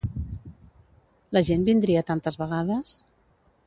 La gent vindria tantes vegades?